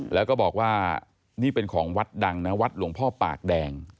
แล้วก็บอกว่านี่เป็นของวัดดังนะวัดหลวงพ่อปากแดง